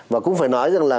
và cũng phải nói rằng là